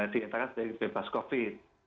diantarakan sebagai bebas covid